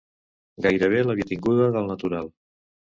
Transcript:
...gairebé l'havia tinguda del natural.